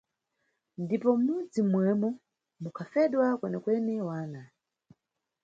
Ndipo m`mudzi momwemo mukhafedwa kwene-kwene wana.